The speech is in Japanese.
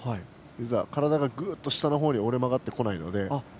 体が下のほうに折れ曲がってこないので。